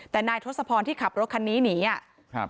แต่นายทศพรที่ขับรถคันนี้หนีอ่ะครับ